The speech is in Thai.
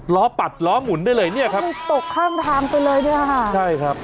ล้อปัดล้อหมุนได้เลยเนี่ยครับใช่ครับ